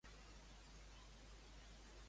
La mala herbeta, arrenca-la tota.